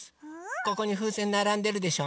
ここにふうせんならんでるでしょ？